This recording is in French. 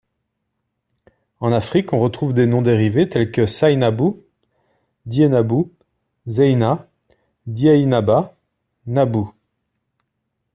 En Afrique on retrouve des noms dérivés tels que Sainabou, Diénabou, Zeyna, Diaynaba, Nabou.